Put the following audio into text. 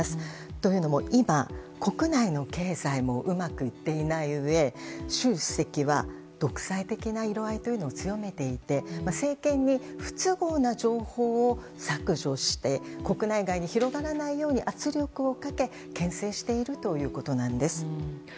というのも今、国内の経済もうまくいっていないうえ習主席は、独裁的な色合いというのを強めていて政権に不都合な情報を削除して国内外に広がらないよう圧力をかけ牽制しているということです。